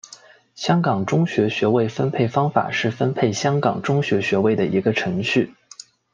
香港中学学位分配办法是分配香港中学学位的一个程序。